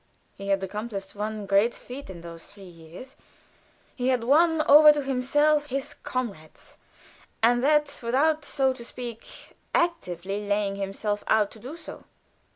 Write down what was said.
He had accomplished one great feat in those three years he had won over to himself his comrades, and that without, so to speak, actively laying himself out to do so.